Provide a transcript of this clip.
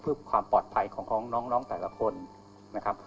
เพื่อความปลอดภัยของน้องแต่ละคนนะครับ